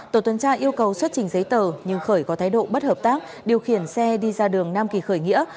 tổ tuần tra yêu cầu xuất trình giấy tờ nhưng khởi có thái độ bất hợp tác điều khiển xe đi ra đường nam kỳ khởi nghĩa